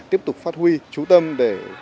tiếp tục phát huy trú tâm để